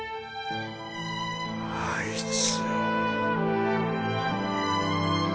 あいつ。